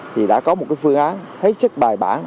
thì đã có một phương án hết sức bài bản